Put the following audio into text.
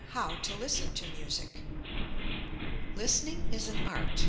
V How to Listen to Music Listening is an art.